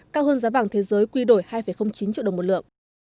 cao hơn giá vàng thế giới quy đổi hai chín triệu đồng một lượng